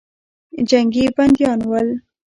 جنګي بندیان ول.